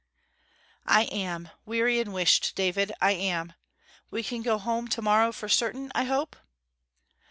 'I am weary and wisht, David; I am. We can get home tomorrow for certain, I hope?'